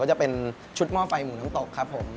จะเป็นชุดหม้อไฟหมูน้ำตกครับผม